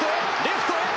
レフトへ。